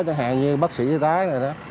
chẳng hạn như bác sĩ giới tái này đó